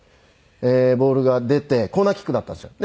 ボールが出てコーナーキックだったんですよ。